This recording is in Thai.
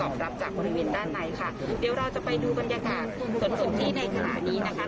รับจากบริเวณด้านในค่ะเดี๋ยวเราจะไปดูบรรยากาศสดที่ในขณะนี้นะคะ